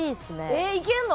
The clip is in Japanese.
えっ行けんの？